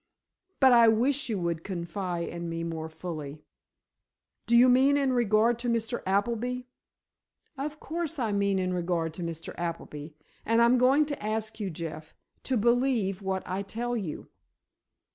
But I wish you would confide in me more fully. Do you mean in regard to Mr. Appleby?" "Of course I mean in regard to Mr. Appleby. And I'm going to ask you, Jeff, to believe what I tell you."